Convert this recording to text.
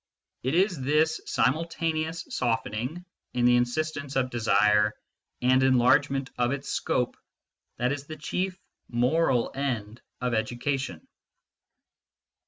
It is this simultaneous softening in the insistence of desire and enlargement of its scope that is the chief moral end of education.